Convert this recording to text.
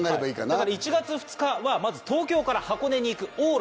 だから１月２日はまず東京から箱根に行く往路。